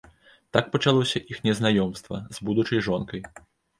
Так пачалося іхняе знаёмства, з будучай жонкай.